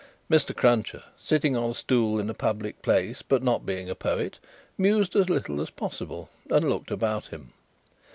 Mr. Cruncher, sitting on a stool in a public place, but not being a poet, mused as little as possible, and looked about him.